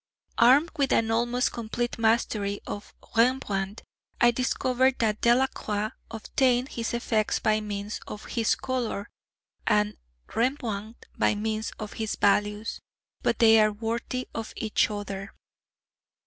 Armed with an almost complete mastery of Rembrandt, I discovered that Delacroix obtained his effects by means of his colour, and Rembrandt by means of his values; but they are worthy of each other.